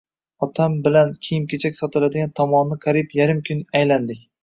Otam bilan kiyim-kechak sotiladigan tomonni qariyb yarim kun aylandik.